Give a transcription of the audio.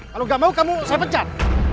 kalau nggak mau kamu saya pecat